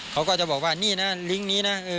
เขาก็จะบอกว่านี่นะลิงก์นี้นะ